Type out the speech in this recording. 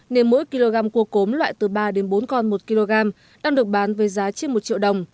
nên mỗi kg cua cốm loại từ ba đến bốn con một kg đang được bán với giá trên một triệu đồng